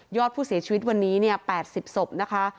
อดผู้เสียชีวิตวันนี้๘๐ศพนะคะ